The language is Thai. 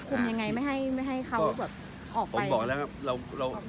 เราจะควบคุมยังไงไม่ไปให้เขาออกไป